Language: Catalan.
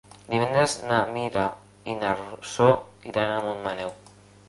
Divendres na Mira i na Rosó iran a Montmaneu.